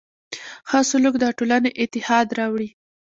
ښه سلوک د ټولنې اتحاد راوړي.